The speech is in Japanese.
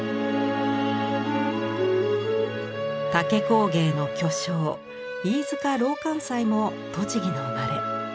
竹工芸の巨匠飯塚琅齋も栃木の生まれ。